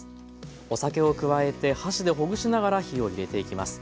お酒を加えて箸でほぐしながら火をいれていきます。